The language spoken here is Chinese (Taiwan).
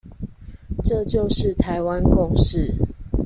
這就是台灣共識